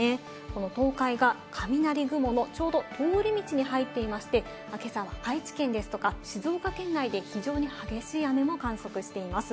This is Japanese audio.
この東海が雷雲のちょうど通り道に入っていまして、今朝は愛知県ですとか、静岡県内で非常に激しい雨も観測しています。